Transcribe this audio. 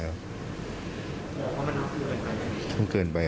หวังว่ามันจะเคยเกินไปไหม